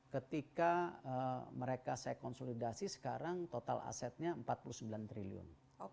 ketika mereka saya konsolidasi sekarang total asetnya empat puluh sembilan triliun